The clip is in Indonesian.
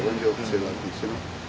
dan anda bisa mengatakan seperti ini